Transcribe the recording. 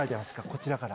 こちらから。